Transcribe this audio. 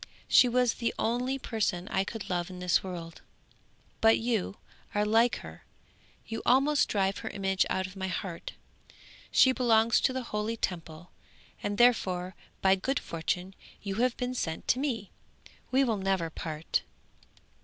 She was the only person I could love in this world, but you are like her, you almost drive her image out of my heart. She belongs to the holy Temple, and therefore by good fortune you have been sent to me; we will never part!'